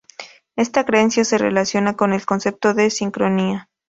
Esta creencia se relaciona con el concepto de sincronía.